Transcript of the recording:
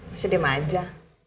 masih diem aja